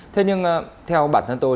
thế nhưng theo bản thân tôi